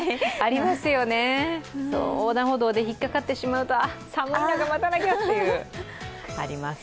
横断歩道でひっかかってしまうと、寒いのに待たなきゃというのがあります。